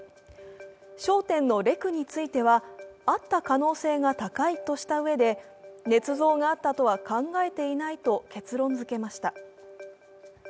焦点のレクについては、あった可能性が高いとしたうえでねつ造があったとは考えていないと結論づけました。